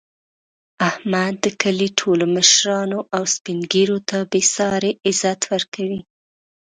احمد د کلي ټولو مشرانو او سپین ږېرو ته بې ساري عزت ورکوي.